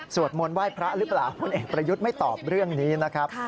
มนต์ไหว้พระหรือเปล่าพลเอกประยุทธ์ไม่ตอบเรื่องนี้นะครับ